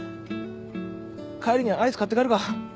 帰りにアイス買って帰るか。